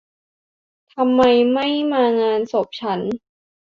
ทำไมไม่มางานศพฉัน